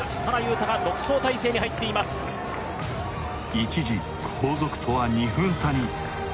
一時、後続とは２分差に。